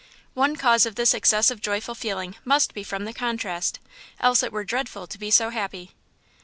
One cause of this excess of joyful feeling must be from the contrast; else it were dreadful to be so happy."